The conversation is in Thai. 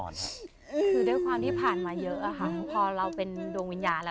คือด้วยความที่ผ่านมาเยอะอะค่ะพอเราเป็นดวงวิญญาณแล้ว